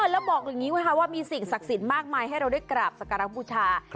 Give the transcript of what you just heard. แล้วบอกอย่างนี้นะคะว่ามีสิ่งศักดิ์สิทธิ์มากมายให้เราได้กราบสักการะบูชา